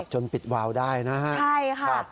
จนปิดวาวได้นะฮะใช่ค่ะ